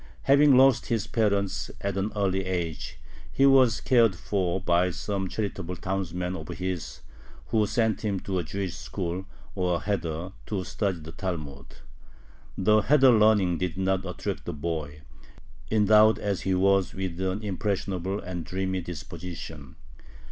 Having lost his parents at an early age, he was cared for by some charitable townsmen of his, who sent him to a Jewish school, or heder, to study the Talmud. The heder learning did not attract the boy, endowed as he was with an impressionable and dreamy disposition.